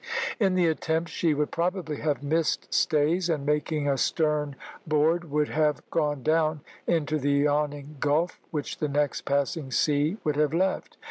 In the attempt she would probably have missed stays, and making a stern board would have gone down into the yawning gulf which the next passing sea would have left.